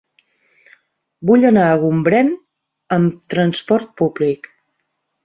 Vull anar a Gombrèn amb trasport públic.